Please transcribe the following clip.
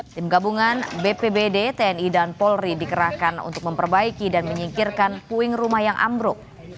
tim gabungan bpbd tni dan polri dikerahkan untuk memperbaiki dan menyingkirkan puing rumah yang ambruk